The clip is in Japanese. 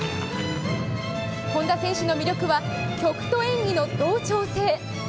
本田選手の魅力は、曲と演技の同調性。